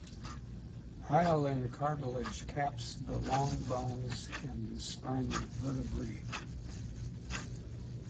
Hyaline cartilage caps the long bones and the spinal vertebrae.